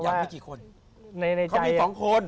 อยากมีกี่คน